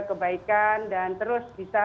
kebaikan dan terus bisa